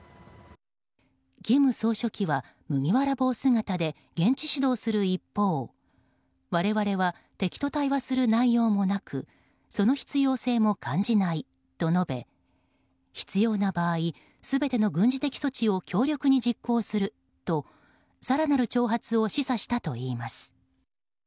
金総書記は麦わら帽姿で現地指導する一方我々は、敵と対話する内容もなくその必要性も感じないと述べ必要な場合、全ての軍事的措置を強力に実行すると更なる挑発を示唆したといいます。